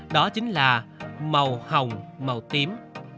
đó chính là màu hồng màu tím